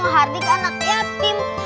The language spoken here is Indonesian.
menghardik anak yatim